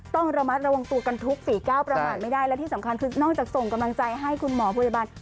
ต้องระมัดระวังตัวกันทุกฝีก้าวประมาทไม่ได้และที่สำคัญคือนอกจากส่งกำลังใจให้คุณหมอพยาบาล